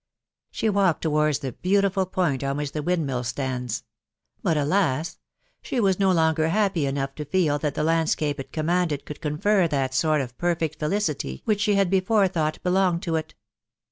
She walked towards the beautiful point on which the windmill stands ; but alas 1 she was no longer happy enough to feel that the landscape it commanded could confer that sort of perfect felicity which she had before thought belonged to it.